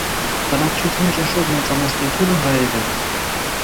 Բնակչության ճնշող մեծամասնությունը հայեր են։